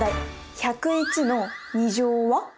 １０１の２乗は？